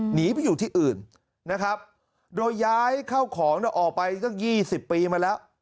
หนีไปอยู่ที่อื่นนะครับโดยย้ายเข้าของออกไปสัก๒๐ปีมาแล้ว